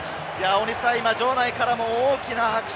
場内からも大きな拍手。